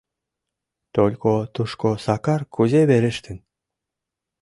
Только тушко Сакар кузе верештын?